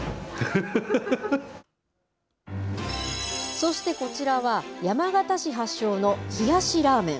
そしてこちらは、山形市発祥の冷やしラーメン。